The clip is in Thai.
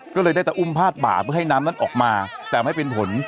ก็เลยได้แต่อุ้มพาดบ่าเพื่อให้น้ำนั้นออกมาแต่ไม่เป็นผล